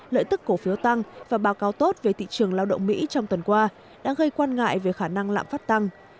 lợi tức cổ phiếu tăng và báo cáo tốt về thị trường lao động mỹ trong tuần qua đã gây quan ngại về khả năng lạm phát tăng